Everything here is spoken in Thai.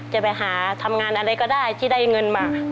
จะไปหาทำงานอะไรก็ได้ที่ได้เงินมา